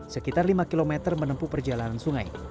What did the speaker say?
sekitar lima km menempuh perjalanan sungai